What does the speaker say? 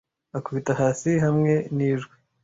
akubita hasi hamwe nijwi